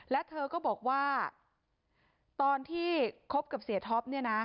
และเธอก็บอกว่าตอนที่คบกับเสียท็อปเนี่ยนะ